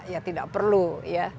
ya tidak perlu ya